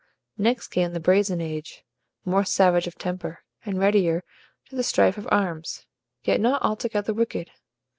Next came the Brazen Age, more savage of temper, and readier to the strife of arms, yet not altogether wicked.